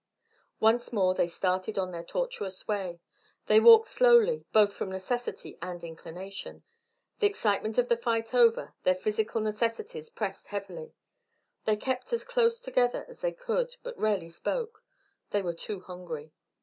Once more they started on their tortuous way. They walked very slowly, both from necessity and inclination: the excitement of the fight over, their physical necessities pressed heavily; they kept as close together as they could, but rarely spoke: they were too hungry.